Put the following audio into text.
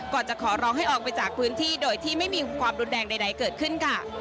จะขอร้องให้ออกไปจากพื้นที่โดยที่ไม่มีความรุนแรงใดเกิดขึ้นค่ะ